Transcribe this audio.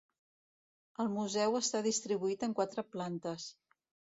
El museu està distribuït en quatre plantes.